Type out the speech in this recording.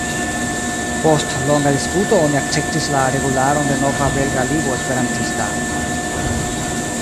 Post longa diskuto oni akceptis la regularon de nova Belga Ligo Esperantista.